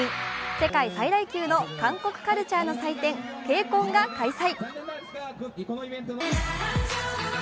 世界最大級の韓国カルチャーの祭典・ＫＣＯＮが開催。